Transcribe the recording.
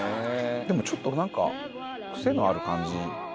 でもちょっとなんか癖のある感じ。